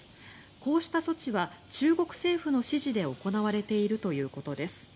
こうした措置は中国政府の指示で行われているということです。